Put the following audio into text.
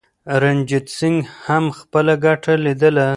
رنجیت سنګ هم خپله ګټه لیدله.